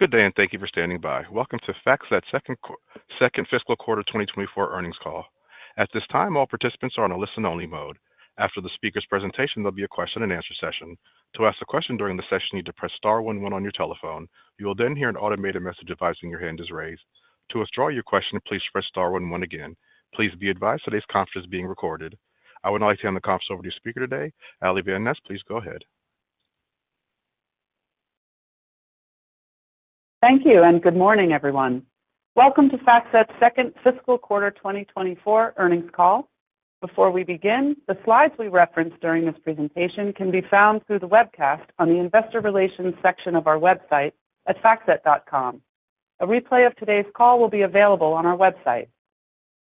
Good day, and thank you for standing by. Welcome to FactSet second quarter 2024 earnings call. At this time, all participants are on a listen-only mode. After the speaker's presentation, there'll be a question-and-answer session. To ask a question during the session, you need to press star one one on your telephone. You will then hear an automated message advising your hand is raised. To withdraw your question, please press star one one again. Please be advised today's conference is being recorded. I would like to hand the conference over to your speaker today, Ali van Nes. Please go ahead. Thank you, and good morning, everyone. Welcome to FactSet's second fiscal quarter 2024 earnings call. Before we begin, the slides we referenced during this presentation can be found through the webcast on the Investor Relations section of our website at FactSet.com. A replay of today's call will be available on our website.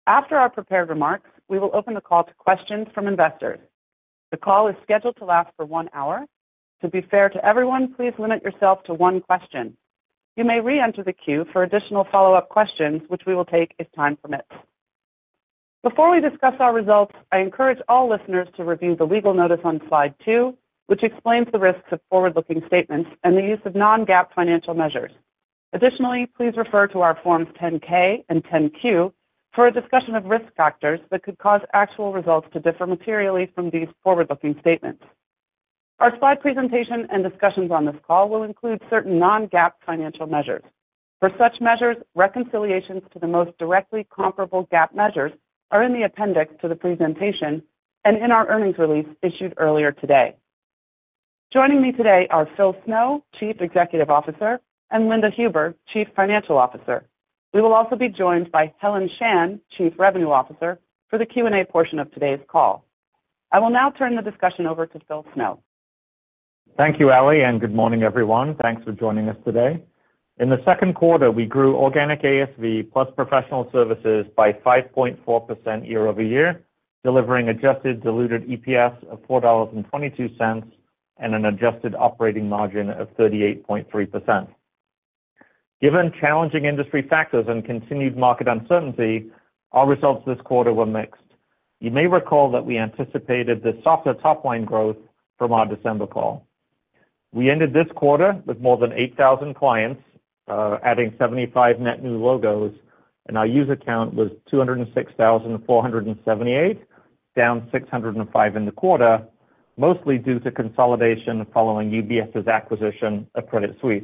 After our prepared remarks, we will open the call to questions from investors. The call is scheduled to last for one hour. To be fair to everyone, please limit yourself to one question. You may re-enter the queue for additional follow-up questions, which we will take if time permits. Before we discuss our results, I encourage all listeners to review the legal notice on slide two, which explains the risks of forward-looking statements and the use of non-GAAP financial measures. Additionally, please refer to our Forms 10-K and 10-Q for a discussion of risk factors that could cause actual results to differ materially from these forward-looking statements. Our slide presentation and discussions on this call will include certain non-GAAP financial measures. For such measures, reconciliations to the most directly comparable GAAP measures are in the appendix to the presentation and in our earnings release issued earlier today. Joining me today are Phil Snow, Chief Executive Officer, and Linda Huber, Chief Financial Officer. We will also be joined by Helen Shan, Chief Revenue Officer, for the Q&A portion of today's call. I will now turn the discussion over to Phil Snow. Thank you, Ali, and good morning, everyone. Thanks for joining us today. In the second quarter, we grew organic ASV plus professional services by 5.4% year-over-year, delivering adjusted diluted EPS of $4.22 and an adjusted operating margin of 38.3%. Given challenging industry factors and continued market uncertainty, our results this quarter were mixed. You may recall that we anticipated the softer top-line growth from our December call. We ended this quarter with more than 8,000 clients, adding 75 net new logos, and our user account was 206,478, down 605 in the quarter, mostly due to consolidation following UBS's acquisition of Credit Suisse.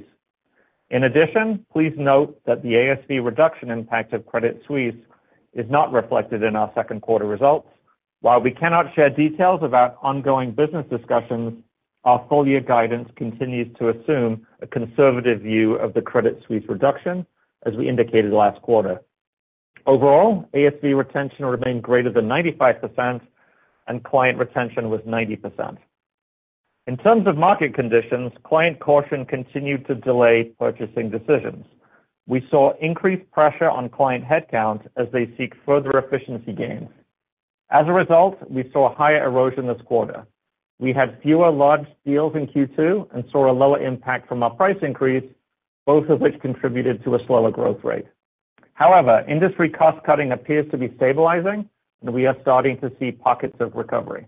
In addition, please note that the ASV reduction impact of Credit Suisse is not reflected in our second quarter results. While we cannot share details about ongoing business discussions, our full-year guidance continues to assume a conservative view of the Credit Suisse reduction, as we indicated last quarter. Overall, ASV retention remained greater than 95%, and client retention was 90%. In terms of market conditions, client caution continued to delay purchasing decisions. We saw increased pressure on client headcount as they seek further efficiency gains. As a result, we saw higher erosion this quarter. We had fewer large deals in Q2 and saw a lower impact from our price increase, both of which contributed to a slower growth rate. However, industry cost-cutting appears to be stabilizing, and we are starting to see pockets of recovery.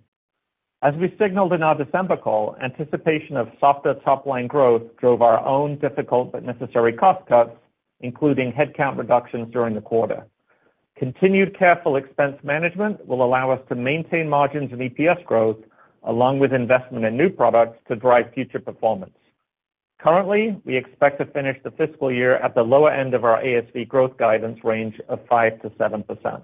As we signaled in our December call, anticipation of softer top-line growth drove our own difficult but necessary cost cuts, including headcount reductions during the quarter. Continued careful expense management will allow us to maintain margins and EPS growth, along with investment in new products to drive future performance. Currently, we expect to finish the fiscal year at the lower end of our ASV growth guidance range of 5%-7%.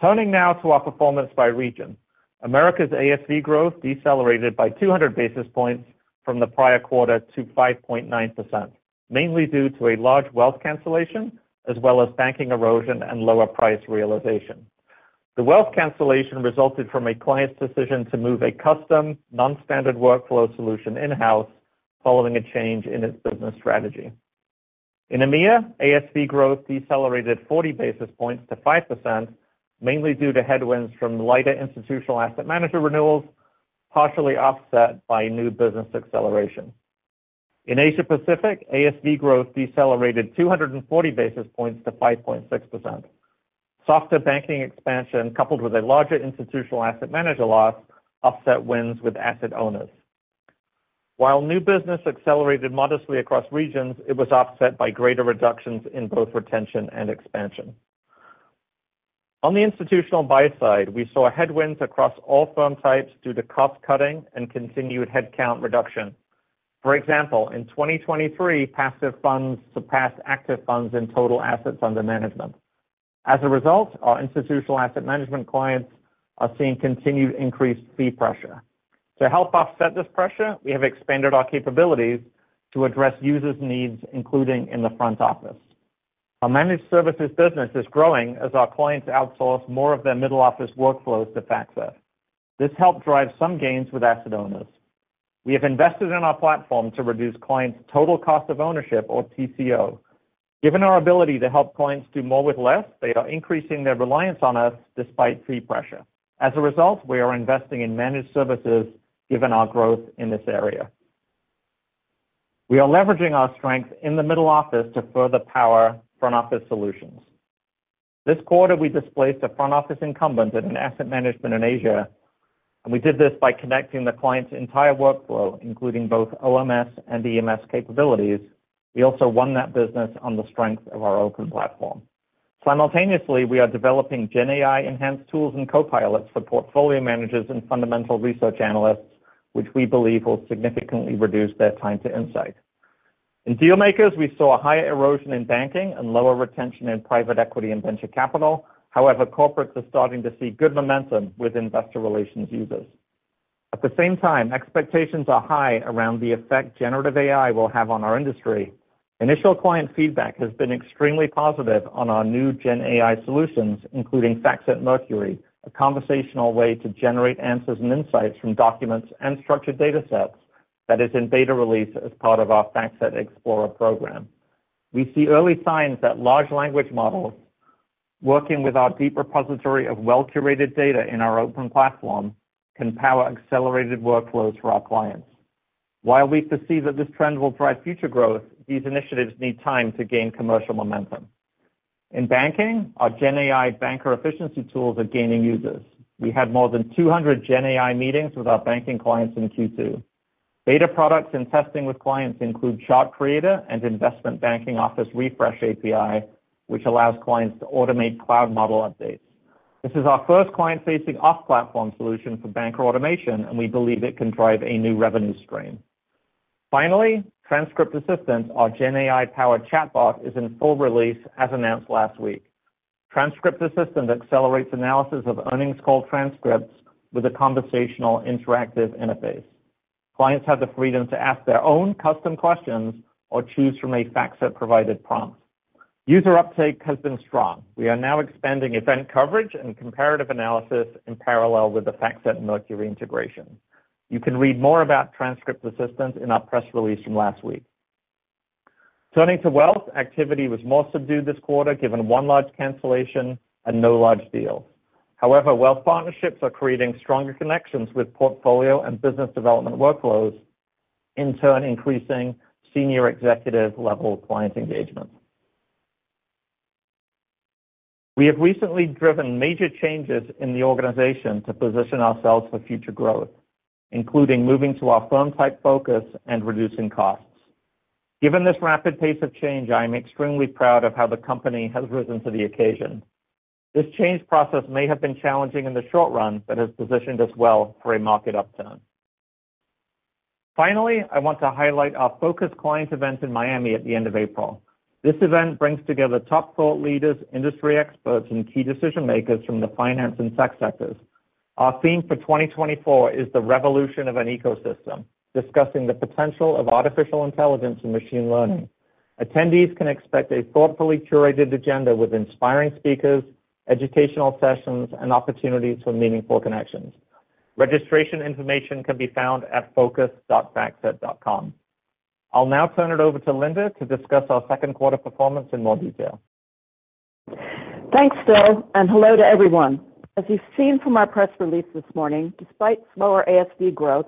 Turning now to our performance by region, Americas ASV growth decelerated by 200 basis points from the prior quarter to 5.9%, mainly due to a large wealth cancellation as well as banking erosion and lower price realization. The wealth cancellation resulted from a client's decision to move a custom, non-standard workflow solution in-house following a change in its business strategy. In EMEA, ASV growth decelerated 40 basis points to 5%, mainly due to headwinds from lighter institutional asset manager renewals, partially offset by new business acceleration. In Asia-Pacific, ASV growth decelerated 240 basis points to 5.6%. Softer banking expansion, coupled with a larger institutional asset manager loss, offset wins with asset owners. While new business accelerated modestly across regions, it was offset by greater reductions in both retention and expansion. On the institutional buy side, we saw headwinds across all firm types due to cost-cutting and continued headcount reduction. For example, in 2023, passive funds surpassed active funds in total assets under management. As a result, our institutional asset management clients are seeing continued increased fee pressure. To help offset this pressure, we have expanded our capabilities to address users' needs, including in the front office. Our managed services business is growing as our clients outsource more of their middle office workflows to FactSet. This helped drive some gains with asset owners. We have invested in our platform to reduce clients' total cost of ownership, or TCO. Given our ability to help clients do more with less, they are increasing their reliance on us despite fee pressure. As a result, we are investing in managed services given our growth in this area. We are leveraging our strengths in the middle office to further power front office solutions. This quarter, we displaced a front office incumbent in an asset management in Asia, and we did this by connecting the client's entire workflow, including both OMS and EMS capabilities. We also won that business on the strength of our open platform. Simultaneously, we are developing GenAI-enhanced tools and Copilot for portfolio managers and fundamental research analysts, which we believe will significantly reduce their time to insight. In dealmakers, we saw higher erosion in banking and lower retention in private equity and venture capital. However, corporates are starting to see good momentum with investor relations users. At the same time, expectations are high around the effect generative AI will have on our industry. Initial client feedback has been extremely positive on our new GenAI solutions, including FactSet Mercury, a conversational way to generate answers and insights from documents and structured datasets that is in beta release as part of our FactSet Explorer program. We see early signs that large language models working with our deep repository of well-curated data in our open platform can power accelerated workflows for our clients. While we foresee that this trend will drive future growth, these initiatives need time to gain commercial momentum. In banking, our GenAI banker efficiency tools are gaining users. We had more than 200 GenAI meetings with our banking clients in Q2. Beta products and testing with clients include Chart Creator and Investment Banking Office Refresh API, which allows clients to automate cloud model updates. This is our first client-facing off-platform solution for banker automation, and we believe it can drive a new revenue stream. Finally, Transcript Assistant, our GenAI-powered chatbot, is in full release, as announced last week. Transcript Assistant accelerates analysis of earnings call transcripts with a conversational, interactive interface. Clients have the freedom to ask their own custom questions or choose from a FactSet-provided prompt. User uptake has been strong. We are now expanding event coverage and comparative analysis in parallel with the FactSet Mercury integration. You can read more about Transcript Assistant in our press release from last week. Turning to wealth, activity was more subdued this quarter given one large cancellation and no large deals. However, wealth partnerships are creating stronger connections with portfolio and business development workflows, in turn increasing senior executive-level client engagement. We have recently driven major changes in the organization to position ourselves for future growth, including moving to our firm-type focus and reducing costs. Given this rapid pace of change, I am extremely proud of how the company has risen to the occasion. This change process may have been challenging in the short run but has positioned us well for a market upturn. Finally, I want to highlight our focus client event in Miami at the end of April. This event brings together top thought leaders, industry experts, and key decision-makers from the finance and tech sectors. Our theme for 2024 is "The Revolution of an Ecosystem," discussing the potential of artificial intelligence and machine learning. Attendees can expect a thoughtfully curated agenda with inspiring speakers, educational sessions, and opportunities for meaningful connections. Registration information can be found at focus.FactSet.com. I'll now turn it over to Linda to discuss our second quarter performance in more detail. Thanks, Phil, and hello to everyone. As you've seen from our press release this morning, despite slower ASV growth,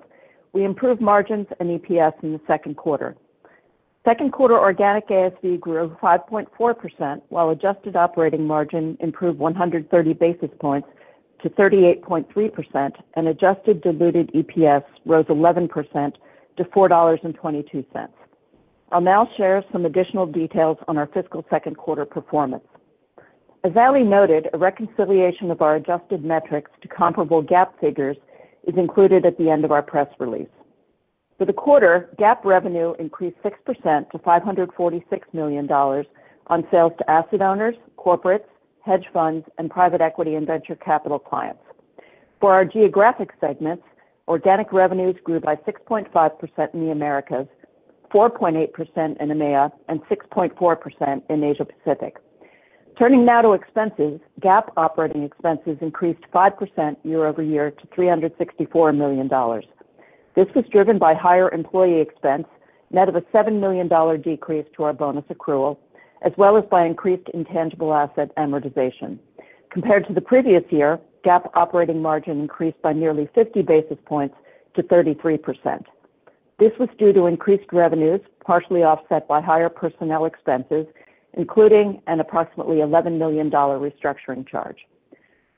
we improved margins and EPS in the second quarter. Second quarter organic ASV grew 5.4%, while adjusted operating margin improved 130 basis points to 38.3%, and adjusted diluted EPS rose 11% to $4.22. I'll now share some additional details on our fiscal second quarter performance. As Ali noted, a reconciliation of our adjusted metrics to comparable GAAP figures is included at the end of our press release. For the quarter, GAAP revenue increased 6% to $546 million on sales to asset owners, corporates, hedge funds, and private equity and venture capital clients. For our geographic segments, organic revenues grew by 6.5% in the Americas, 4.8% in EMEA, and 6.4% in Asia-Pacific. Turning now to expenses, GAAP operating expenses increased 5% year-over-year to $364 million. This was driven by higher employee expense, net of a $7 million decrease to our bonus accrual, as well as by increased intangible asset amortization. Compared to the previous year, GAAP operating margin increased by nearly 50 basis points to 33%. This was due to increased revenues, partially offset by higher personnel expenses, including an approximately $11 million restructuring charge.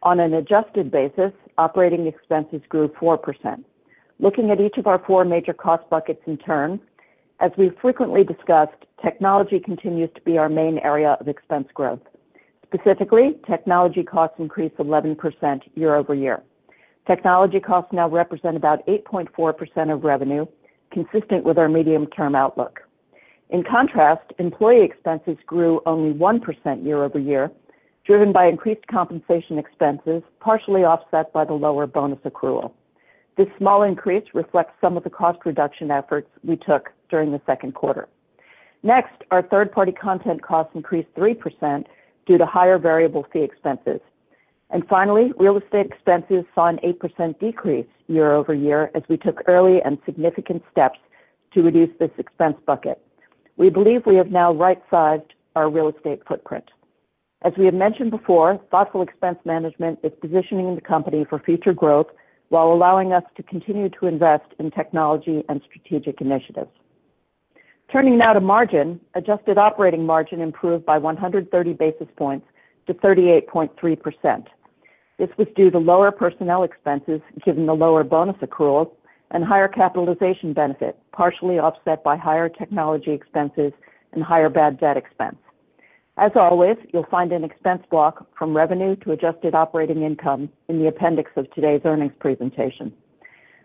On an adjusted basis, operating expenses grew 4%. Looking at each of our four major cost buckets in turn, as we've frequently discussed, technology continues to be our main area of expense growth. Specifically, technology costs increased 11% year-over-year. Technology costs now represent about 8.4% of revenue, consistent with our medium-term outlook. In contrast, employee expenses grew only 1% year-over-year, driven by increased compensation expenses, partially offset by the lower bonus accrual. This small increase reflects some of the cost reduction efforts we took during the second quarter. Next, our third-party content costs increased 3% due to higher variable fee expenses. Finally, real estate expenses saw an 8% decrease year-over-year as we took early and significant steps to reduce this expense bucket. We believe we have now right-sized our real estate footprint. As we have mentioned before, thoughtful expense management is positioning the company for future growth while allowing us to continue to invest in technology and strategic initiatives. Turning now to margin, adjusted operating margin improved by 130 basis points to 38.3%. This was due to lower personnel expenses given the lower bonus accrual and higher capitalization benefit, partially offset by higher technology expenses and higher bad debt expense. As always, you'll find an expense block from revenue to adjusted operating income in the appendix of today's earnings presentation.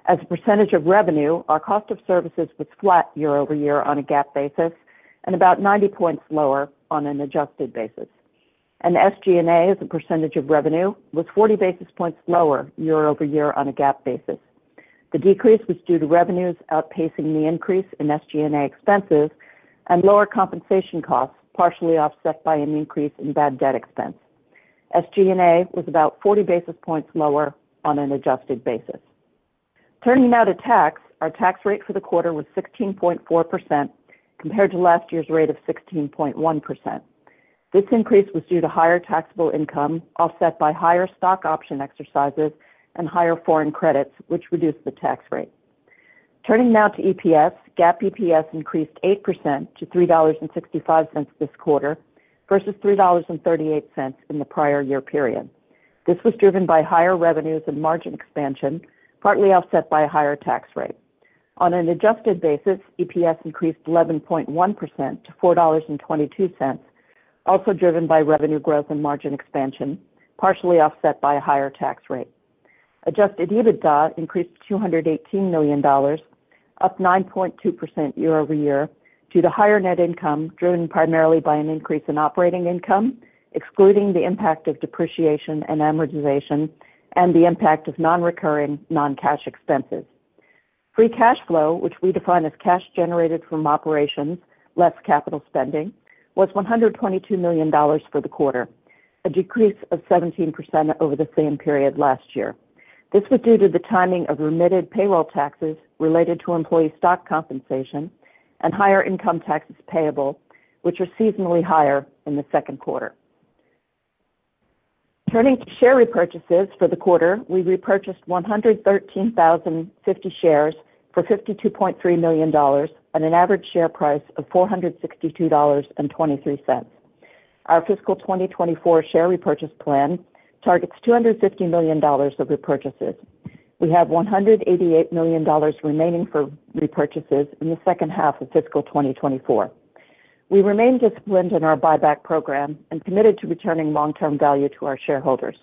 As a percentage of revenue, our cost of services was flat year-over-year on a GAAP basis and about 90 points lower on an adjusted basis. SG&A, as a percentage of revenue, was 40 basis points lower year-over-year on a GAAP basis. The decrease was due to revenues outpacing the increase in SG&A expenses and lower compensation costs, partially offset by an increase in bad debt expense. SG&A was about 40 basis points lower on an adjusted basis. Turning now to tax, our tax rate for the quarter was 16.4% compared to last year's rate of 16.1%. This increase was due to higher taxable income offset by higher stock option exercises and higher foreign credits, which reduced the tax rate. Turning now to EPS, GAAP EPS increased 8% to $3.65 this quarter versus $3.38 in the prior year period. This was driven by higher revenues and margin expansion, partly offset by a higher tax rate. On an adjusted basis, EPS increased 11.1% to $4.22, also driven by revenue growth and margin expansion, partially offset by a higher tax rate. Adjusted EBITDA increased to $218 million, up 9.2% year-over-year due to higher net income driven primarily by an increase in operating income, excluding the impact of depreciation and amortization and the impact of non-recurring, non-cash expenses. Free cash flow, which we define as cash generated from operations, less capital spending, was $122 million for the quarter, a decrease of 17% over the same period last year. This was due to the timing of remitted payroll taxes related to employee stock compensation and higher income taxes payable, which are seasonally higher in the second quarter. Turning to share repurchases for the quarter, we repurchased 113,050 shares for $52.3 million and an average share price of $462.23. Our fiscal 2024 share repurchase plan targets $250 million of repurchases. We have $188 million remaining for repurchases in the second half of fiscal 2024. We remain disciplined in our buyback program and committed to returning long-term value to our shareholders.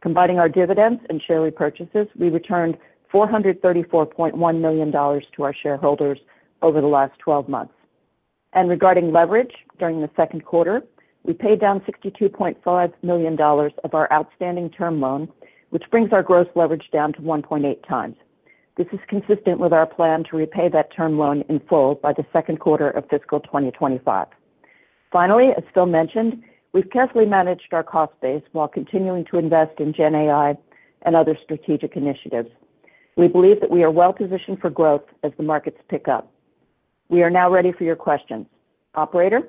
Combining our dividends and share repurchases, we returned $434.1 million to our shareholders over the last 12 months. Regarding leverage during the second quarter, we paid down $62.5 million of our outstanding term loan, which brings our gross leverage down to 1.8 times. This is consistent with our plan to repay that term loan in full by the second quarter of fiscal 2025. Finally, as Phil mentioned, we've carefully managed our cost base while continuing to invest in GenAI and other strategic initiatives. We believe that we are well-positioned for growth as the markets pick up. We are now ready for your questions. Operator?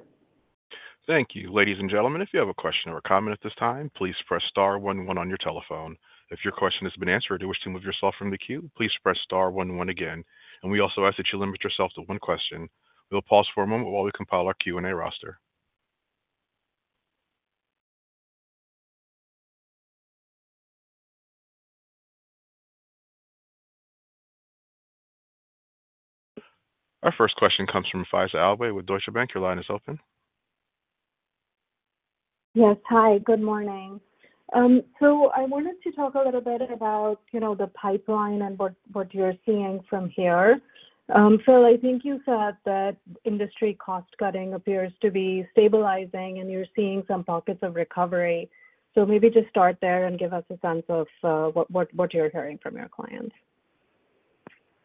Thank you. Ladies and gentlemen, if you have a question or a comment at this time, please press star one one on your telephone. If your question has been answered or you wish to move yourself from the queue, please press star one one again. We also ask that you limit yourself to one question. We'll pause for a moment while we compile our Q&A roster. Our first question comes from Faiza Alwy with Deutsche Bank. Your line is open. Yes. Hi. Good morning. I wanted to talk a little bit about the pipeline and what you're seeing from here. Phil, I think you said that industry cost-cutting appears to be stabilizing, and you're seeing some pockets of recovery. Maybe just start there and give us a sense of what you're hearing from your clients.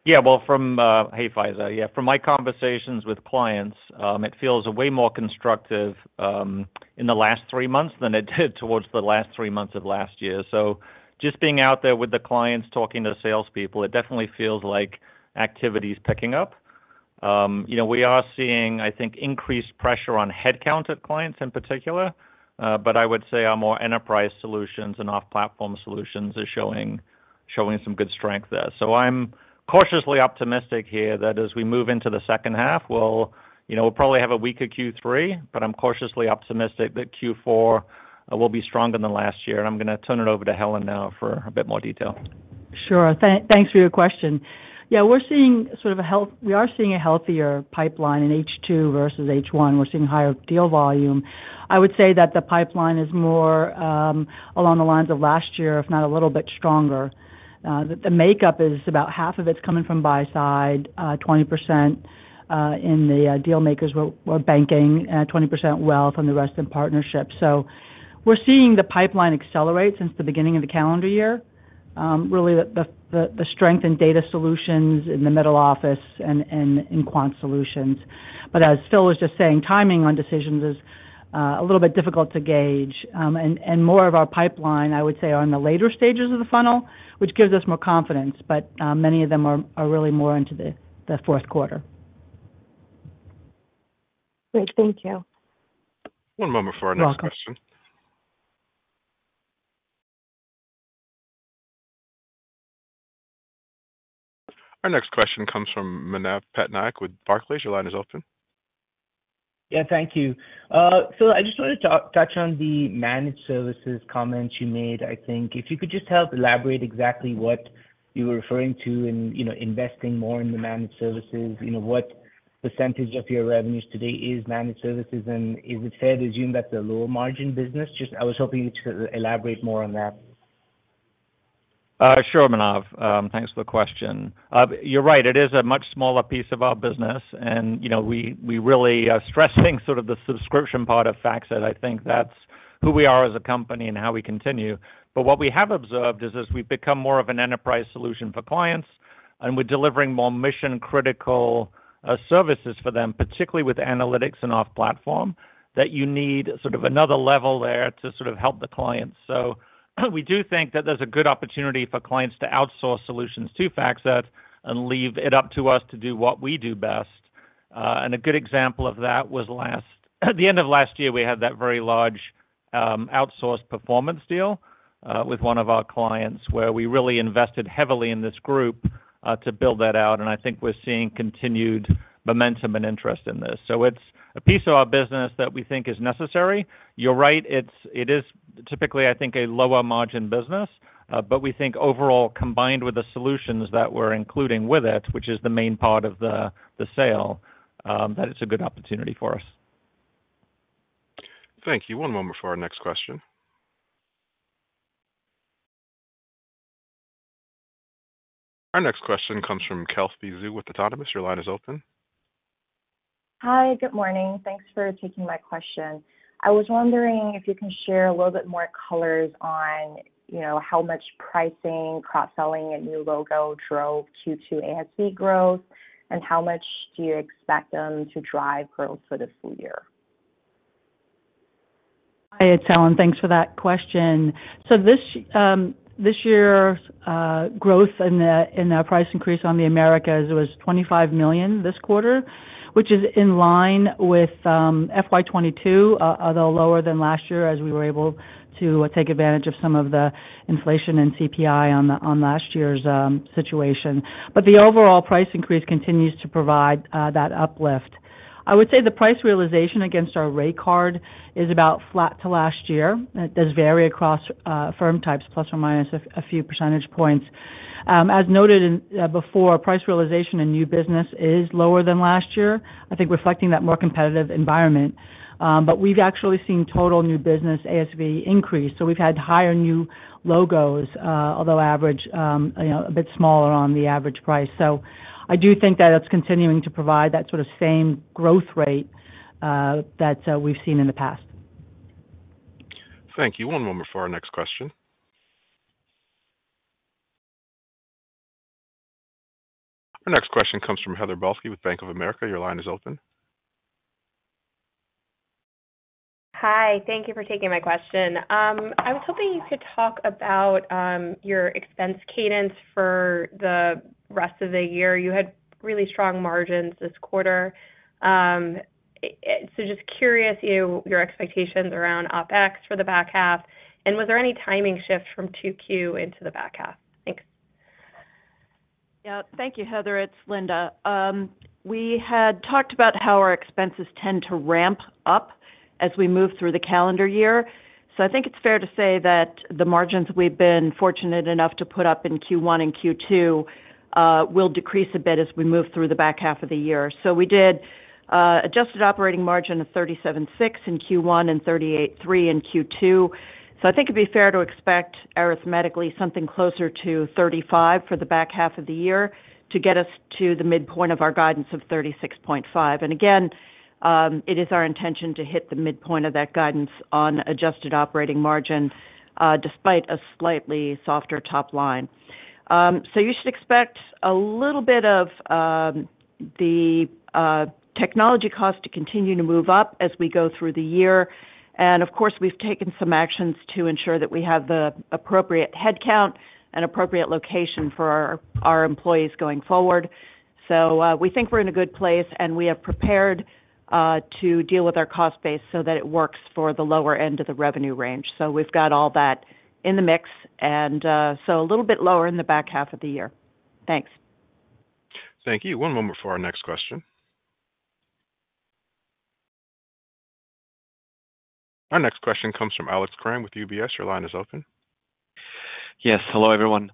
Yeah. Well, hey, Faiza. Yeah. From my conversations with clients, it feels way more constructive in the last three months than it did towards the last three months of last year. So just being out there with the clients talking to salespeople, it definitely feels like activity's picking up. We are seeing, I think, increased pressure on headcount at clients in particular, but I would say our more enterprise solutions and off-platform solutions are showing some good strength there. So I'm cautiously optimistic here that as we move into the second half, we'll probably have a weaker Q3, but I'm cautiously optimistic that Q4 will be stronger than last year. And I'm going to turn it over to Helen now for a bit more detail. Sure. Thanks for your question. Yeah. We're seeing a healthier pipeline in H2 versus H1. We're seeing higher deal volume. I would say that the pipeline is more along the lines of last year, if not a little bit stronger. The makeup is about half of it's coming from buy side, 20% in the dealmakers or banking, 20% wealth, and the rest in partnerships. So we're seeing the pipeline accelerate since the beginning of the calendar year, really the strength in data solutions in the middle office and in quant solutions. But as Phil was just saying, timing on decisions is a little bit difficult to gauge. More of our pipeline, I would say, are in the later stages of the funnel, which gives us more confidence. But many of them are really more into the fourth quarter. Great. Thank you. One moment for our next question. Our next question comes from Manav Patnaik with Barclays. Your line is open. Yeah. Thank you. Phil, I just wanted to touch on the managed services comments you made. I think if you could just help elaborate exactly what you were referring to in investing more in the managed services, what percentage of your revenues today is managed services, and is it fair to assume that's a low-margin business? I was hoping you could elaborate more on that. Sure, Manav. Thanks for the question. You're right. It is a much smaller piece of our business, and we really are stressing sort of the subscription part of FactSet. I think that's who we are as a company and how we continue. But what we have observed is that we've become more of an enterprise solution for clients, and we're delivering more mission-critical services for them, particularly with analytics and off-platform, that you need sort of another level there to sort of help the clients. So we do think that there's a good opportunity for clients to outsource solutions to FactSet and leave it up to us to do what we do best. A good example of that was last at the end of last year. We had that very large outsourced performance deal with one of our clients where we really invested heavily in this group to build that out. I think we're seeing continued momentum and interest in this. It's a piece of our business that we think is necessary. You're right. It is typically, I think, a lower-margin business. We think overall, combined with the solutions that we're including with it, which is the main part of the sale, that it's a good opportunity for us. Thank you. One moment for our next question. Our next question comes from Kelsey Zhu with Autonomous Research. Your line is open. Hi. Good morning. Thanks for taking my question. I was wondering if you can share a little bit more colors on how much pricing, cross-selling, and new logo drove Q2 ASV growth, and how much do you expect them to drive growth for the full year? Hi, it's Helen. Thanks for that question. So this year's growth and the price increase on the Americas was $25 million this quarter, which is in line with FY 2022, although lower than last year as we were able to take advantage of some of the inflation and CPI on last year's situation. But the overall price increase continues to provide that uplift. I would say the price realization against our rate card is about flat to last year. It does vary across firm types, plus or minus a few percentage points. As noted before, price realization in new business is lower than last year, I think reflecting that more competitive environment. But we've actually seen total new business ASV increase. So we've had higher new logos, although average a bit smaller on the average price. I do think that it's continuing to provide that sort of same growth rate that we've seen in the past. Thank you. One moment for our next question. Our next question comes from Heather Balsky with Bank of America. Your line is open. Hi. Thank you for taking my question. I was hoping you could talk about your expense cadence for the rest of the year. You had really strong margins this quarter. So just curious your expectations around OpEx for the back half. And was there any timing shift from 2Q into the back half? Thanks. Yeah. Thank you, Heather. It's Linda. We had talked about how our expenses tend to ramp up as we move through the calendar year. So I think it's fair to say that the margins we've been fortunate enough to put up in Q1 and Q2 will decrease a bit as we move through the back half of the year. So we did adjusted operating margin of 37.6% in Q1 and 38.3% in Q2. So I think it'd be fair to expect arithmetically something closer to 35% for the back half of the year to get us to the midpoint of our guidance of 36.5%. And again, it is our intention to hit the midpoint of that guidance on adjusted operating margin despite a slightly softer top line. So you should expect a little bit of the technology cost to continue to move up as we go through the year. Of course, we've taken some actions to ensure that we have the appropriate headcount and appropriate location for our employees going forward. We think we're in a good place, and we have prepared to deal with our cost base so that it works for the lower end of the revenue range. We've got all that in the mix, and so a little bit lower in the back half of the year. Thanks. Thank you. One moment for our next question. Our next question comes from Alex Kramm with UBS. Your line is open. Yes. Hello, everyone.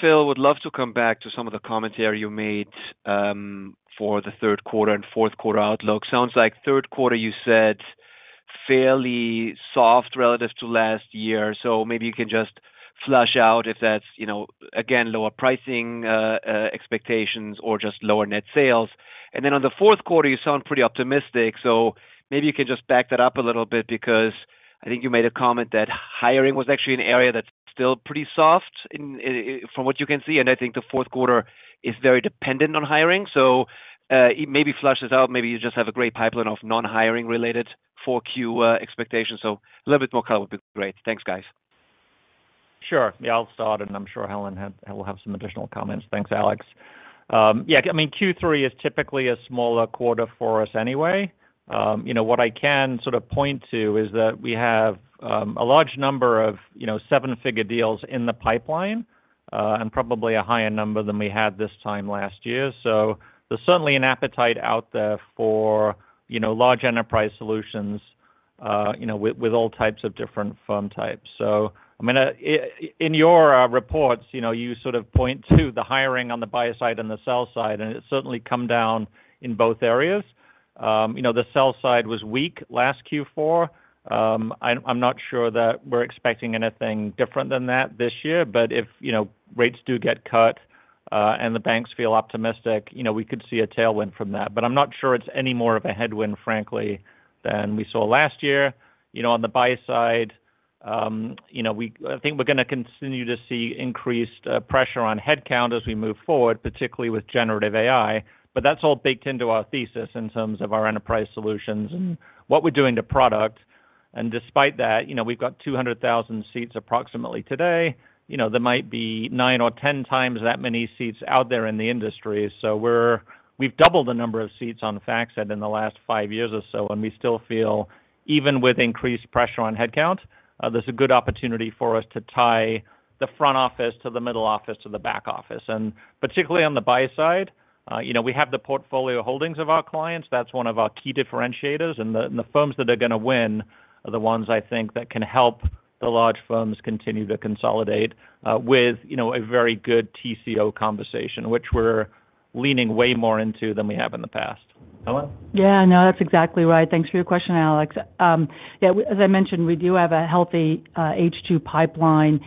Phil would love to come back to some of the commentary you made for the third quarter and fourth quarter outlook. Sounds like third quarter, you said, fairly soft relative to last year. So maybe you can just flesh out if that's, again, lower pricing expectations or just lower net sales. And then on the fourth quarter, you sound pretty optimistic. So maybe you can just back that up a little bit because I think you made a comment that hiring was actually an area that's still pretty soft from what you can see. And I think the fourth quarter is very dependent on hiring. So maybe flesh this out. Maybe you just have a great pipeline of non-hiring-related 4Q expectations. So a little bit more color would be great. Thanks, guys. Sure. Yeah. I'll start, and I'm sure Helen will have some additional comments. Thanks, Alex. Yeah. I mean, Q3 is typically a smaller quarter for us anyway. What I can sort of point to is that we have a large number of seven-figure deals in the pipeline and probably a higher number than we had this time last year. So there's certainly an appetite out there for large enterprise solutions with all types of different firm types. So I mean, in your reports, you sort of point to the hiring on the buy side and the sell side, and it's certainly come down in both areas. The sell-side was weak last Q4. I'm not sure that we're expecting anything different than that this year. But if rates do get cut and the banks feel optimistic, we could see a tailwind from that. But I'm not sure it's any more of a headwind, frankly, than we saw last year. On the buy side, I think we're going to continue to see increased pressure on headcount as we move forward, particularly with generative AI. But that's all baked into our thesis in terms of our enterprise solutions and what we're doing to product. And despite that, we've got 200,000 seats approximately today. There might be 9 or 10 times that many seats out there in the industry. So we've doubled the number of seats on FactSet in the last five years or so. And we still feel, even with increased pressure on headcount, there's a good opportunity for us to tie the front office to the middle office to the back office. And particularly on the buy side, we have the portfolio holdings of our clients. That's one of our key differentiators. The firms that are going to win are the ones, I think, that can help the large firms continue to consolidate with a very good TCO conversation, which we're leaning way more into than we have in the past. Helen? Yeah. No, that's exactly right. Thanks for your question, Alex. Yeah. As I mentioned, we do have a healthy H2 pipeline.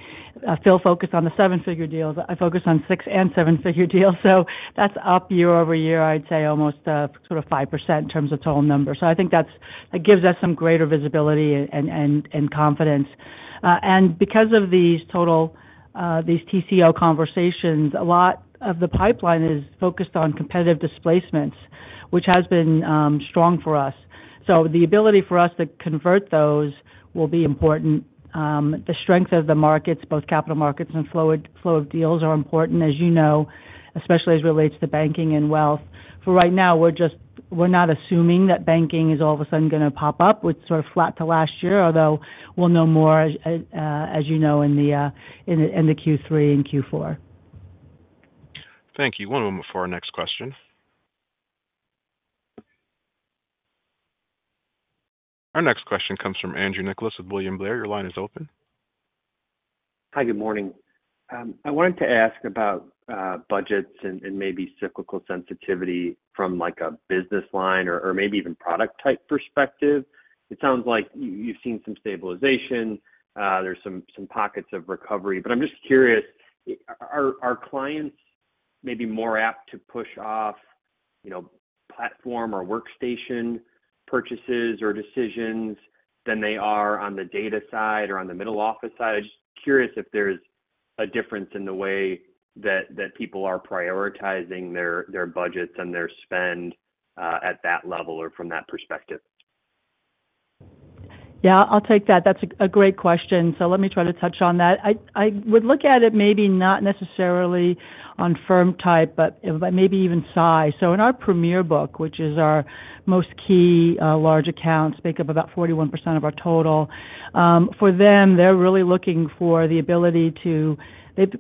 Phil, focus on the seven-figure deals. I focus on six- and seven-figure deals. So that's up year-over-year, I'd say, almost sort of 5% in terms of total numbers. So I think that gives us some greater visibility and confidence. And because of these TCO conversations, a lot of the pipeline is focused on competitive displacements, which has been strong for us. So the ability for us to convert those will be important. The strength of the markets, both capital markets and flow of deals, are important, as you know, especially as it relates to banking and wealth. For right now, we're not assuming that banking is all of a sudden going to pop up. It's sort of flat to last year, although we'll know more, as you know, in the Q3 and Q4. Thank you. One moment for our next question. Our next question comes from Andrew Nicholas with William Blair. Your line is open. Hi. Good morning. I wanted to ask about budgets and maybe cyclical sensitivity from a business line or maybe even product-type perspective. It sounds like you've seen some stabilization. There's some pockets of recovery. But I'm just curious, are clients maybe more apt to push off platform or workstation purchases or decisions than they are on the data side or on the middle office side? I'm just curious if there's a difference in the way that people are prioritizing their budgets and their spend at that level or from that perspective? Yeah. I'll take that. That's a great question. So let me try to touch on that. I would look at it maybe not necessarily on firm type, but maybe even size. So in our premier book, which is our most key large accounts, make up about 41% of our total. For them, they're really looking for the ability to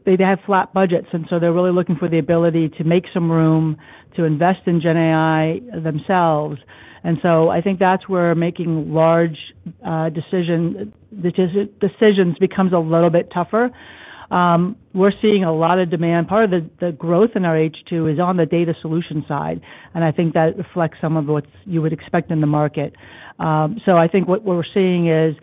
they have flat budgets, and so they're really looking for the ability to make some room to invest in GenAI themselves. And so I think that's where making large decisions becomes a little bit tougher. We're seeing a lot of demand. Part of the growth in our H2 is on the data solution side, and I think that reflects some of what you would expect in the market. So I think what we're seeing is,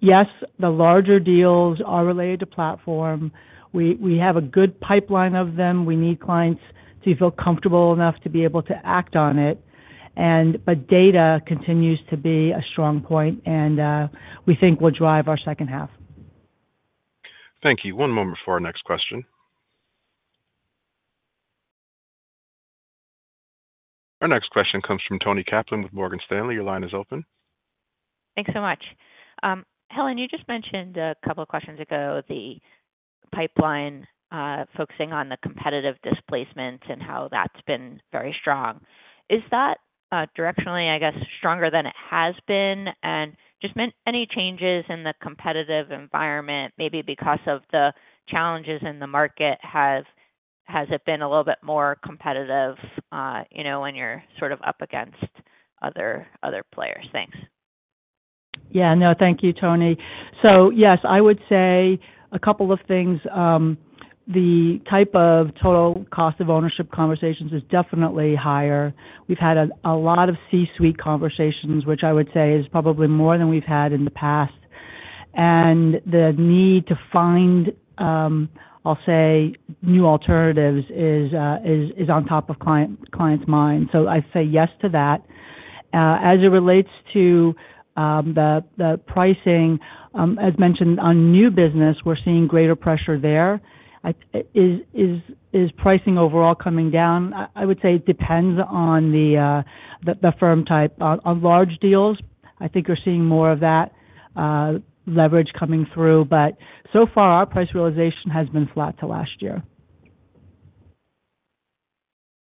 yes, the larger deals are related to platform. We have a good pipeline of them. We need clients to feel comfortable enough to be able to act on it. But data continues to be a strong point, and we think will drive our second half. Thank you. One moment for our next question. Our next question comes from Toni Kaplan with Morgan Stanley. Your line is open. Thanks so much. Helen, you just mentioned a couple of questions ago the pipeline focusing on the competitive displacement and how that's been very strong. Is that directionally, I guess, stronger than it has been? And just any changes in the competitive environment, maybe because of the challenges in the market, has it been a little bit more competitive when you're sort of up against other players? Thanks. Yeah. No, thank you, Tony. So yes, I would say a couple of things. The type of total cost of ownership conversations is definitely higher. And the need to find, I'll say, new alternatives is on top of clients' minds. So I'd say yes to that. As it relates to the pricing, as mentioned, on new business, we're seeing greater pressure there. Is pricing overall coming down? I would say it depends on the firm type. On large deals, I think you're seeing more of that leverage coming through. But so far, our price realization has been flat to last year.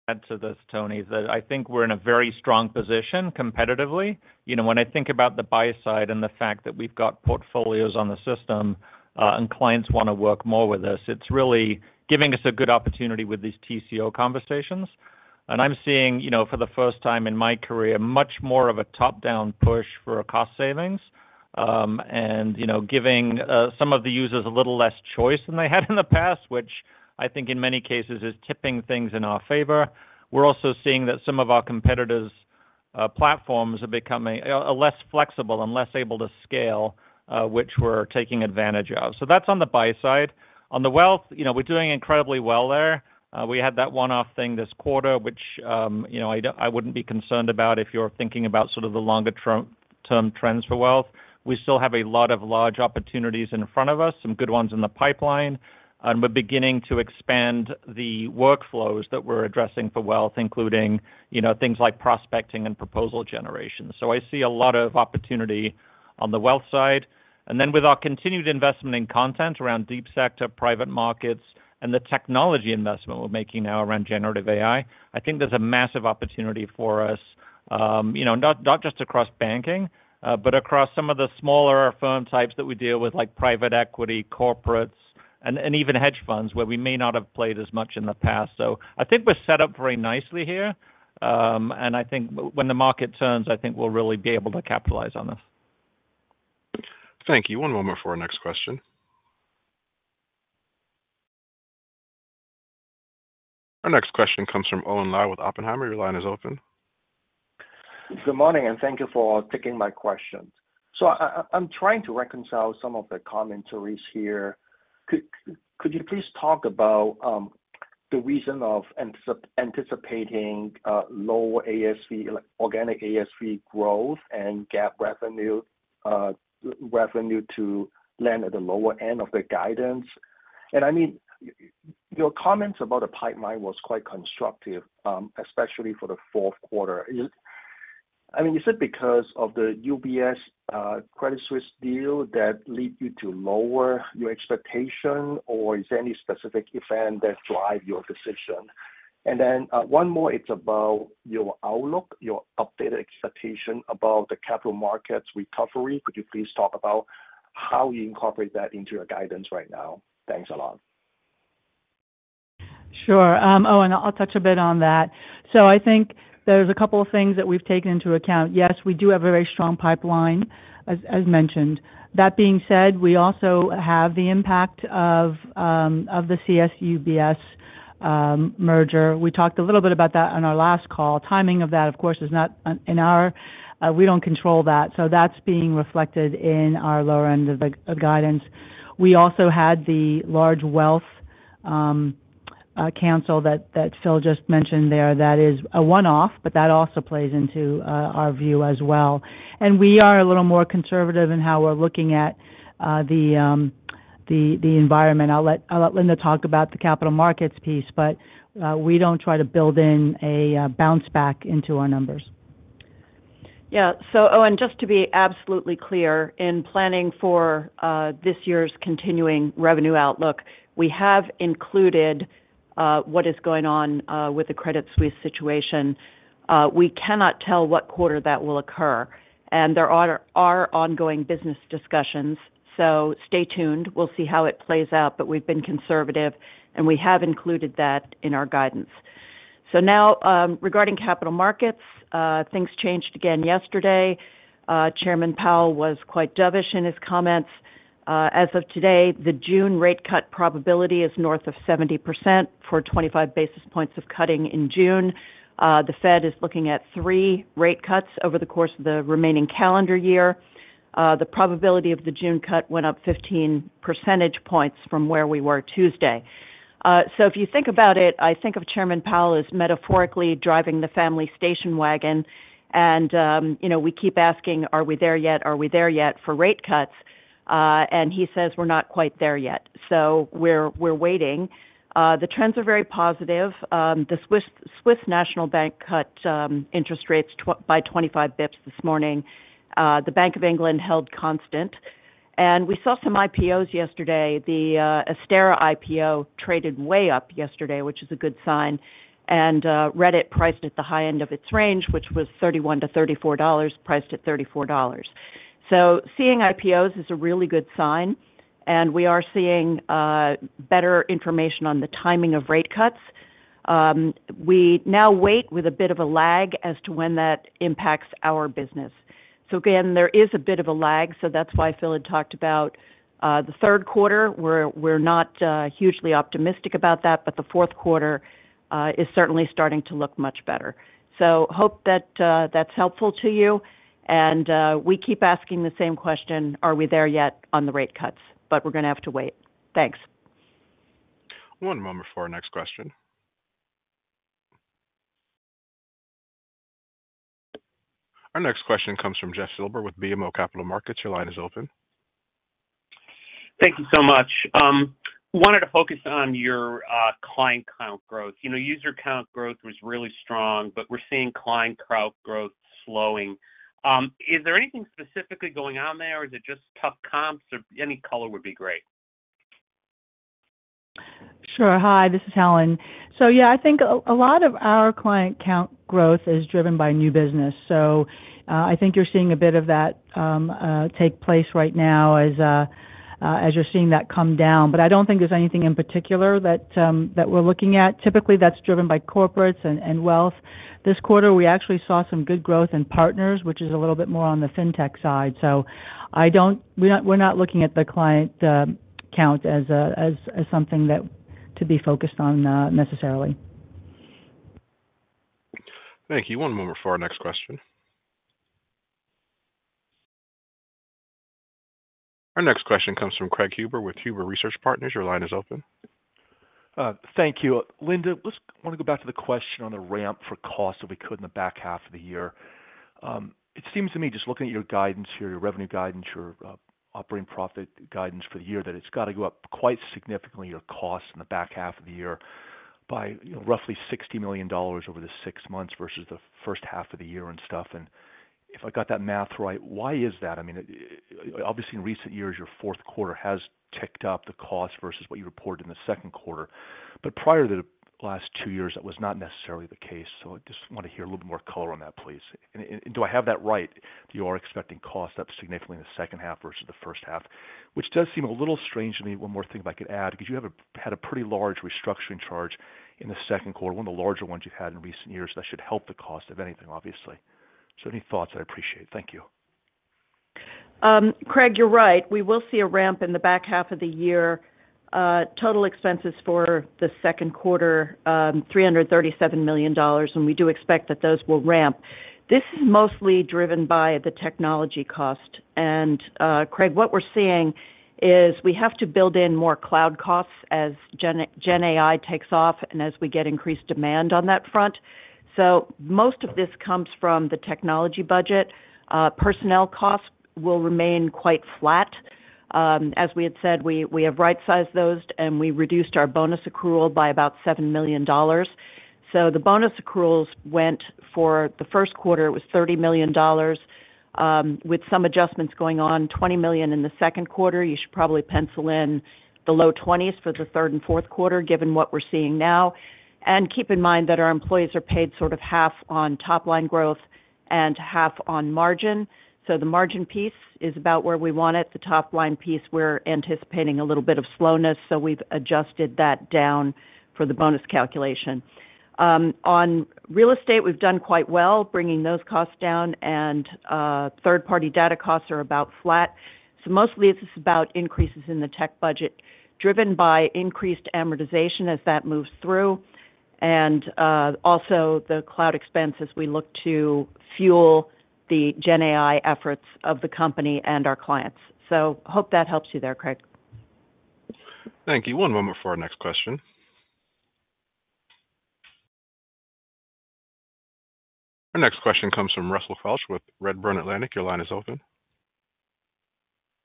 Add to this, Tony, is that I think we're in a very strong position competitively. When I think about the buy side and the fact that we've got portfolios on the system and clients want to work more with us, it's really giving us a good opportunity with these TCO conversations. And I'm seeing, for the first time in my career, much more of a top-down push for cost savings and giving some of the users a little less choice than they had in the past, which I think in many cases is tipping things in our favor. We're also seeing that some of our competitors' platforms are becoming less flexible and less able to scale, which we're taking advantage of. So that's on the buy side. On the wealth, we're doing incredibly well there. We had that one-off thing this quarter, which I wouldn't be concerned about if you're thinking about sort of the longer-term trends for wealth. We still have a lot of large opportunities in front of us, some good ones in the pipeline. We're beginning to expand the workflows that we're addressing for wealth, including things like prospecting and proposal generation. I see a lot of opportunity on the wealth side. And then with our continued investment in content around deep sector, private markets, and the technology investment we're making now around generative AI. I think there's a massive opportunity for us, not just across banking, but across some of the smaller firm types that we deal with, like private equity, corporates, and even hedge funds, where we may not have played as much in the past. I think we're set up very nicely here. I think when the market turns, I think we'll really be able to capitalize on this. Thank you. One moment for our next question. Our next question comes from Owen Lau with Oppenheimer. Your line is open. Good morning, and thank you for taking my questions. So I'm trying to reconcile some of the commentaries here. Could you please talk about the reason for anticipating lower organic ASV growth and GAAP revenue to land at the lower end of the guidance? And I mean, your comments about the pipeline were quite constructive, especially for the fourth quarter. I mean, is it because of the UBS Credit Suisse deal that led you to lower your expectation, or is there any specific event that drives your decision? And then one more, it's about your outlook, your updated expectation about the capital markets recovery. Could you please talk about how you incorporate that into your guidance right now? Thanks a lot. Sure. Oh, and I'll touch a bit on that. So I think there's a couple of things that we've taken into account. Yes, we do have a very strong pipeline, as mentioned. That being said, we also have the impact of the CS-UBS merger. We talked a little bit about that on our last call. Timing of that, of course, is not in our control. We don't control that. So that's being reflected in our lower end of the guidance. We also had the large wealth council that Phil just mentioned there. That is a one-off, but that also plays into our view as well. We are a little more conservative in how we're looking at the environment. I'll let Linda talk about the capital markets piece, but we don't try to build in a bounce back into our numbers. Yeah. So, Owen, just to be absolutely clear, in planning for this year's continuing revenue outlook, we have included what is going on with the Credit Suisse situation. We cannot tell what quarter that will occur. And there are ongoing business discussions. So stay tuned. We'll see how it plays out. But we've been conservative, and we have included that in our guidance. So now, regarding capital markets, things changed again yesterday. Chairman Powell was quite dovish in his comments. As of today, the June rate cut probability is north of 70% for 25 basis points of cutting in June. The Fed is looking at three rate cuts over the course of the remaining calendar year. The probability of the June cut went up 15 percentage points from where we were Tuesday. So if you think about it, I think of Chairman Powell as metaphorically driving the family station wagon. And we keep asking, "Are we there yet? Are we there yet for rate cuts?" And he says, "We're not quite there yet." So we're waiting. The trends are very positive. The cut interest rates by 25 basis points this morning. The Bank of England held constant. And we saw some IPOs yesterday. The Astera IPO traded way up yesterday, which is a good sign. And Reddit priced at the high end of its range, which was $31-$34, priced at $34. So seeing IPOs is a really good sign. And we are seeing better information on the timing of rate cuts. We now wait with a bit of a lag as to when that impacts our business. So again, there is a bit of a lag, so that's why Phil had talked about the third quarter. We're not hugely optimistic about that. The fourth quarter is certainly starting to look much better. Hope that that's helpful to you. We keep asking the same question, "Are we there yet on the rate cuts?" We're going to have to wait. Thanks. One moment for our next question. Our next question comes from Jeff Silber with BMO Capital Markets. Your line is open. Thank you so much. Wanted to focus on your client count growth. User count growth was really strong, but we're seeing client count growth slowing. Is there anything specifically going on there, or is it just tough comps? Any color would be great. Sure. Hi. This is Helen. So yeah, I think a lot of our client count growth is driven by new business. So I think you're seeing a bit of that take place right now as you're seeing that come down. But I don't think there's anything in particular that we're looking at. Typically, that's driven by corporates and wealth. This quarter, we actually saw some good growth in partners, which is a little bit more on the fintech side. So we're not looking at the client count as something to be focused on necessarily. Thank you. One moment for our next question. Our next question comes from Craig Huber with Huber Research Partners. Your line is open. Thank you. Linda, I want to go back to the question on the ramp for costs that we could in the back half of the year. It seems to me, just looking at your guidance here, your revenue guidance, your operating profit guidance for the year, that it's got to go up quite significantly, your costs, in the back half of the year, by roughly $60 million over the six months versus the first half of the year and stuff. And if I got that math right, why is that? I mean, obviously, in recent years, your fourth quarter has ticked up the costs versus what you reported in the second quarter. But prior to the last two years, that was not necessarily the case. So I just want to hear a little bit more color on that, please. And do I have that right? You are expecting costs up significantly in the second half versus the first half, which does seem a little strange to me. One more thing if I could add, because you had a pretty large restructuring charge in the second quarter, one of the larger ones you've had in recent years that should help the cost, if anything, obviously. So any thoughts? I'd appreciate it. Thank you. Craig, you're right. We will see a ramp in the back half of the year. Total expenses for the second quarter, $337 million, and we do expect that those will ramp. This is mostly driven by the technology cost. And Craig, what we're seeing is we have to build in more cloud costs as GenAI takes off and as we get increased demand on that front. So most of this comes from the technology budget. Personnel costs will remain quite flat. As we had said, we have right-sized those, and we reduced our bonus accrual by about $7 million. So the bonus accruals went for the first quarter, it was $30 million, with some adjustments going on, $20 million in the second quarter. You should probably pencil in the low 20s for the third and fourth quarter, given what we're seeing now. Keep in mind that our employees are paid sort of half on top-line growth and half on margin. The margin piece is about where we want it. The top-line piece, we're anticipating a little bit of slowness, so we've adjusted that down for the bonus calculation. On real estate, we've done quite well, bringing those costs down. Third-party data costs are about flat. Mostly, it's about increases in the tech budget, driven by increased amortization as that moves through, and also the cloud expenses we look to fuel the GenAI efforts of the company and our clients. Hope that helps you there, Craig. Thank you. One moment for our next question. Our next question comes from Russell Quelch with Redburn Atlantic. Your line is open.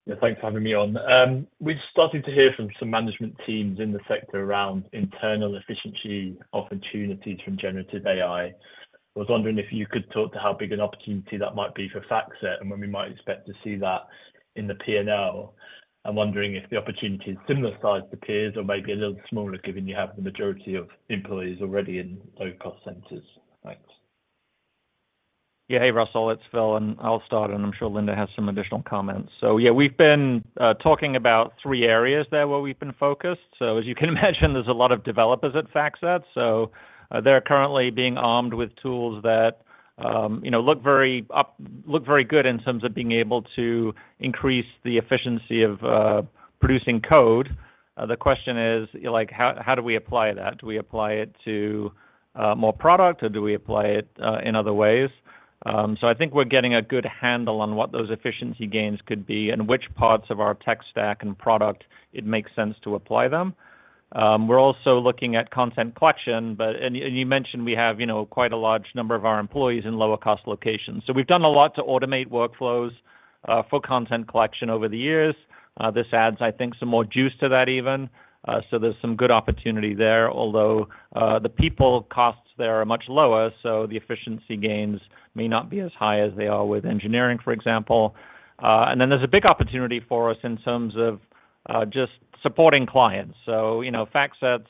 Yeah. Thanks for having me on. We've started to hear from some management teams in the sector around internal efficiency opportunities from generative AI. I was wondering if you could talk to how big an opportunity that might be for FactSet and when we might expect to see that in the P&L? I'm wondering if the opportunity is similar size to peers or maybe a little smaller, given you have the majority of employees already in low-cost centers. Thanks. Yeah. Hey, Russell. It's Phil. And I'll start, and I'm sure Linda has some additional comments. So yeah, we've been talking about three areas there where we've been focused. So as you can imagine, there's a lot of developers at FactSet. So they're currently being armed with tools that look very good in terms of being able to increase the efficiency of producing code. The question is, how do we apply that? Do we apply it to more product, or do we apply it in other ways? So I think we're getting a good handle on what those efficiency gains could be and which parts of our tech stack and product it makes sense to apply them. We're also looking at content collection. And you mentioned we have quite a large number of our employees in lower-cost locations. So we've done a lot to automate workflows for content collection over the years. This adds, I think, some more juice to that even. So there's some good opportunity there, although the people costs there are much lower, so the efficiency gains may not be as high as they are with engineering, for example. And then there's a big opportunity for us in terms of just supporting clients. So FactSet's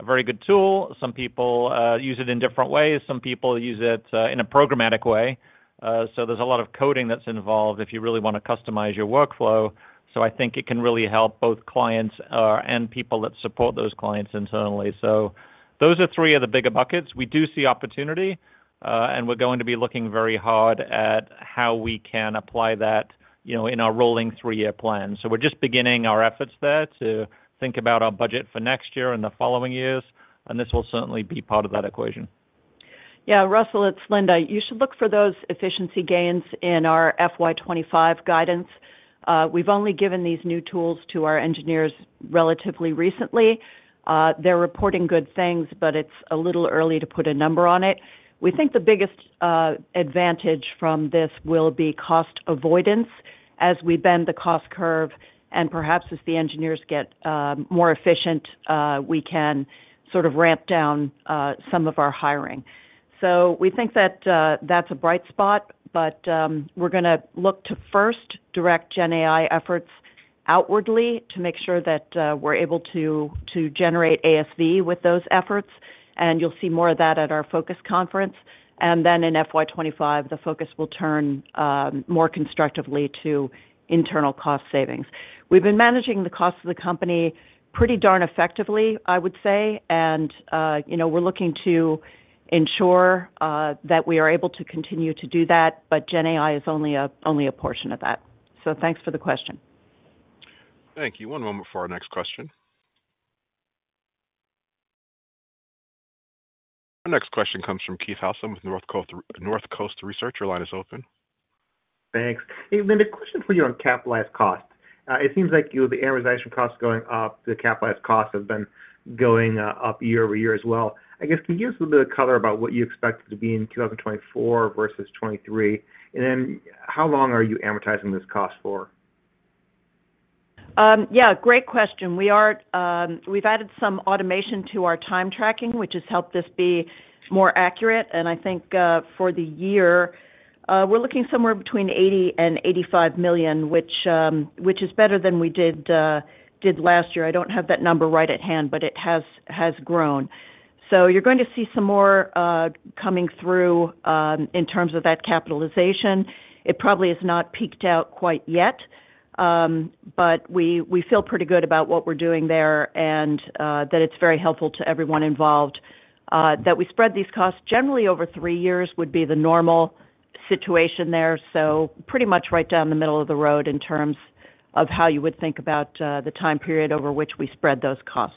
a very good tool. Some people use it in different ways. Some people use it in a programmatic way. So there's a lot of coding that's involved if you really want to customize your workflow. So I think it can really help both clients and people that support those clients internally. So those are three of the bigger buckets. We do see opportunity, and we're going to be looking very hard at how we can apply that in our rolling three-year plan. So we're just beginning our efforts there to think about our budget for next year and the following years. And this will certainly be part of that equation. Yeah. Russell, it's Linda. You should look for those efficiency gains in our FY 2025 guidance. We've only given these new tools to our engineers relatively recently. They're reporting good things, but it's a little early to put a number on it. We think the biggest advantage from this will be cost avoidance. As we bend the cost curve, and perhaps as the engineers get more efficient, we can sort of ramp down some of our hiring. So we think that that's a bright spot, but we're going to look to first direct GenAI efforts outwardly to make sure that we're able to generate ASV with those efforts. And you'll see more of that at our Focus conference. And then in FY 2025, the focus will turn more constructively to internal cost savings. We've been managing the costs of the company pretty darn effectively, I would say. We're looking to ensure that we are able to continue to do that, but GenAI is only a portion of that. Thanks for the question. Thank you. One moment for our next question. Our next question comes from Keith Housum with Northcoast Research. Your line is open. Thanks. Hey, Linda, question for you on capitalized costs. It seems like the amortization costs going up, the capitalized costs have been going up year-over-year as well. I guess, can you give us a little bit of color about what you expect it to be in 2024 versus 2023? And then how long are you amortizing this cost for? Yeah. Great question. We've added some automation to our time tracking, which has helped this be more accurate. I think for the year, we're looking somewhere between $80-$85 million, which is better than we did last year. I don't have that number right at hand, but it has grown. You're going to see some more coming through in terms of that capitalization. It probably has not peaked out quite yet, but we feel pretty good about what we're doing there and that it's very helpful to everyone involved. That we spread these costs generally over three years would be the normal situation there, so pretty much right down the middle of the road in terms of how you would think about the time period over which we spread those costs.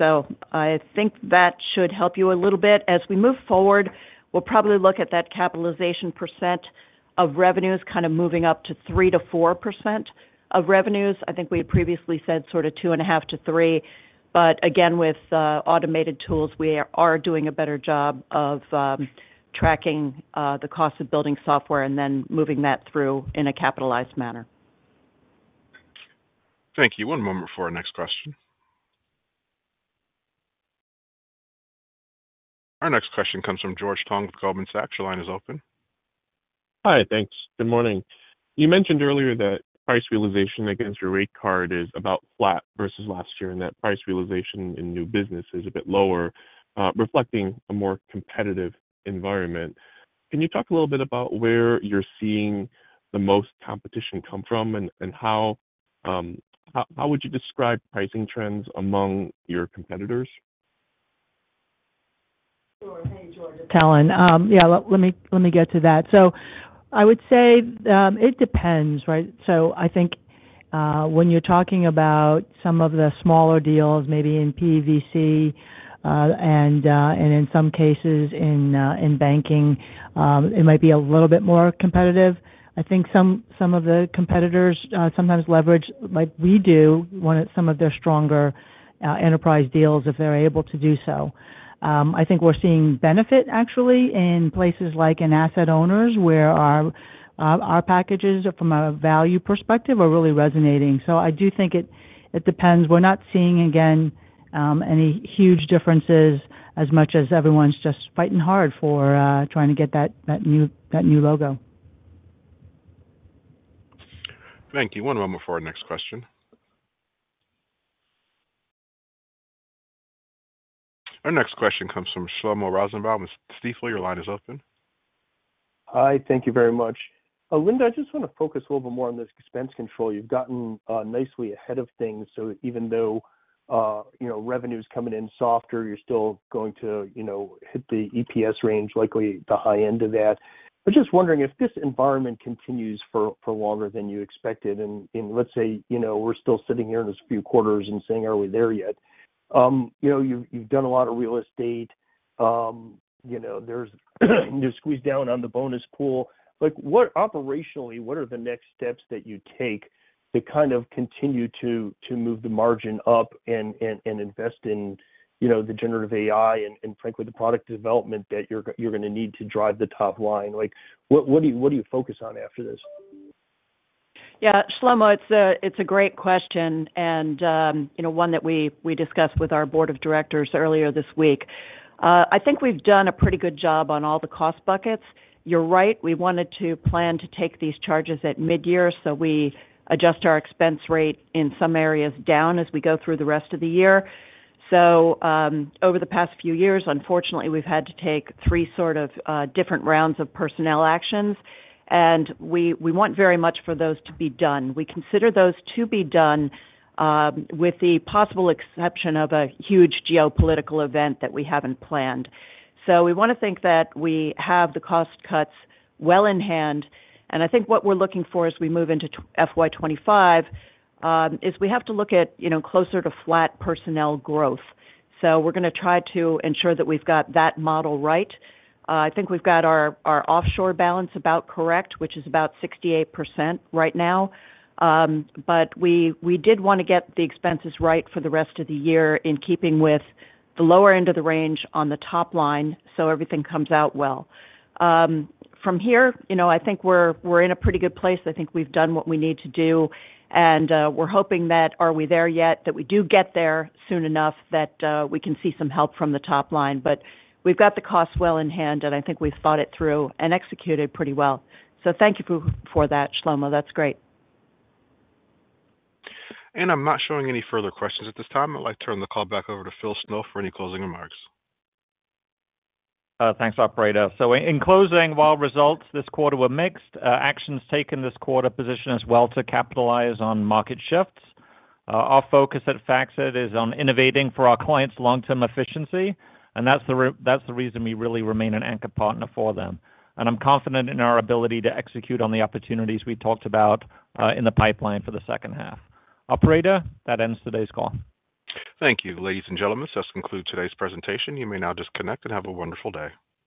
I think that should help you a little bit. As we move forward, we'll probably look at that capitalization percent of revenues kind of moving up to 3%-4% of revenues. I think we had previously said sort of 2.5-3. But again, with automated tools, we are doing a better job of tracking the cost of building software and then moving that through in a capitalized manner. Thank you. One moment for our next question. Our next question comes from George Tong with Goldman Sachs. Your line is open. Hi. Thanks. Good morning. You mentioned earlier that price realization against your rate card is about flat versus last year and that price realization in new business is a bit lower, reflecting a more competitive environment. Can you talk a little bit about where you're seeing the most competition come from and how would you describe pricing trends among your competitors? Sure. Hey, George. Yeah. Let me get to that. So I would say it depends, right? So I think when you're talking about some of the smaller deals, maybe in PVC and in some cases in banking, it might be a little bit more competitive. I think some of the competitors sometimes leverage, like we do, some of their stronger enterprise deals if they're able to do so. I think we're seeing benefit, actually, in places like in asset owners where our packages, from a value perspective, are really resonating. So I do think it depends. We're not seeing, again, any huge differences as much as everyone's just fighting hard for trying to get that new logo. Thank you. One moment for our next question. Our next question comes from Shlomo Rosenbaum with Stifel. Your line is open. Hi. Thank you very much. Linda, I just want to focus a little bit more on this expense control. You've gotten nicely ahead of things. So even though revenue is coming in softer, you're still going to hit the EPS range, likely the high end of that. But just wondering if this environment continues for longer than you expected. And let's say we're still sitting here in this few quarters and saying, "Are we there yet?" You've done a lot of real estate. You've squeezed down on the bonus pool. Operationally, what are the next steps that you take to kind of continue to move the margin up and invest in the generative AI and, frankly, the product development that you're going to need to drive the top line? What do you focus on after this? Yeah. Shlomo, it's a great question and one that we discussed with our board of directors earlier this week. I think we've done a pretty good job on all the cost buckets. You're right. We wanted to plan to take these charges at midyear, so we adjust our expense rate in some areas down as we go through the rest of the year. Over the past few years, unfortunately, we've had to take three sort of different rounds of personnel actions. We want very much for those to be done. We consider those to be done with the possible exception of a huge geopolitical event that we haven't planned. We want to think that we have the cost cuts well in hand. I think what we're looking for as we move into FY 2025 is we have to look at closer to flat personnel growth. So we're going to try to ensure that we've got that model right. I think we've got our offshore balance about correct, which is about 68% right now. But we did want to get the expenses right for the rest of the year in keeping with the lower end of the range on the top line so everything comes out well. From here, I think we're in a pretty good place. I think we've done what we need to do. And we're hoping that, are we there yet? That we do get there soon enough that we can see some help from the top line. But we've got the cost well in hand, and I think we've thought it through and executed pretty well. So thank you for that, Shlomo. That's great. I'm not showing any further questions at this time. I'd like to turn the call back over to Phil Snow for any closing remarks. Thanks, Operator. So in closing, while results this quarter were mixed, actions taken this quarter position us well to capitalize on market shifts. Our focus at FactSet is on innovating for our clients' long-term efficiency. That's the reason we really remain an anchor partner for them. I'm confident in our ability to execute on the opportunities we talked about in the pipeline for the second half. Operator, that ends today's call. Thank you, ladies and gentlemen. That's the conclusion of today's presentation. You may now disconnect and have a wonderful day.